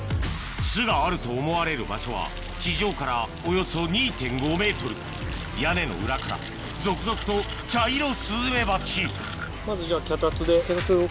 巣があると思われる場所は地上からおよそ２．５ｍ屋根の裏から続々とチャイロスズメバチまずじゃあ。